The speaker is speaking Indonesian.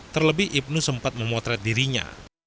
terlebih ibnu sempat memotret dirinya